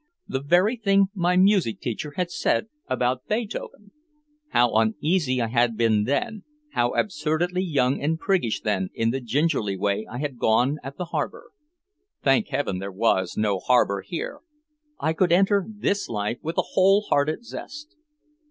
The very thing my music teacher had said about Beethoven. How uneasy I had been then, how absurdly young and priggish then in the gingerly way I had gone at the harbor. Thank heaven there was no harbor here. I could enter this life with a wholehearted zest.